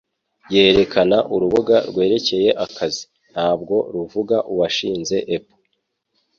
Yerekana urubuga rwerekeye akazi, ntabwo ruvuga uwashinze Apple